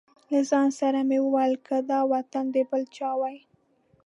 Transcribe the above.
له ځان سره مې وویل که دا وطن د بل چا وای.